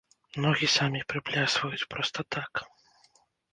Ногі самі прыплясваюць, проста так.